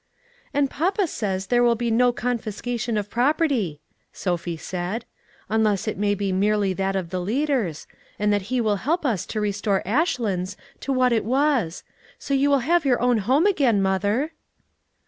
"And papa says there will be no confiscation of property," Sophie said, "unless it may be merely that of the leaders; and that he will help us to restore Ashlands to what it was: so you will have your own home again, mother."